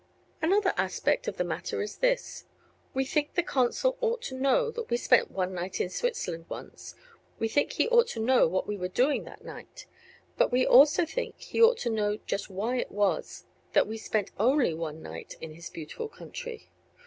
Another aspect of the matter is this. We think the consul ought to know that we spent one night in Switzerland once; we think he ought to know what we were doing that night; but we also think he ought to know just why it was that we spent only one night in his beautiful country.